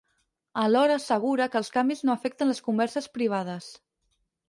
Alhora assegura que els canvis no afecten les converses privades.